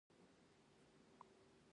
د سبا تشویش مه کوه!